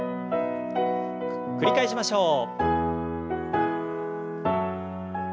繰り返しましょう。